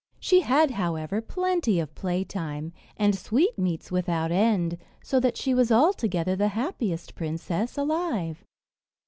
She had, however, plenty of play time, and sweetmeats without end, so that she was altogether the happiest princess alive.